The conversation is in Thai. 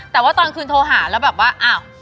แต่ว่าตอนคืนโทรหาแล้วแบบว่าอ้าว